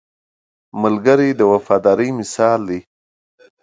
ملګری د وفادارۍ مثال دی